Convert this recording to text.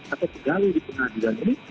atau kegali di tengah jalan ini